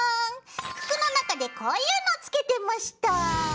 服の中でこういうのつけてました。